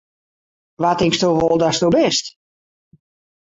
Wa tinksto wol datsto bist!